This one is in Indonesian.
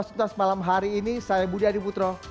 suntas malam hari ini saya budi adibutro